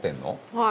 はい。